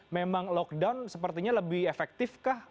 memang lockdown sepertinya lebih efektif kah